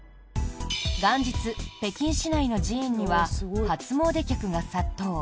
元日、北京市内の寺院には初詣客が殺到。